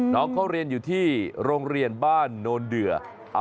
น้องเขาเรียนอยู่ที่โรงเรียนบ้านโนนเดือ